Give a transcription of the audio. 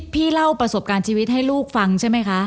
เล่าประสบการณ์ชีวิตให้ลูกฟังใช่ไหมคะ